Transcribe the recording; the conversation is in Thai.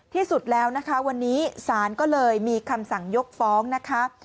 ที่สุดแล้วนะคะวันนี้ศาลก็เลยมีคำสั่งยกฟ้องนะคะ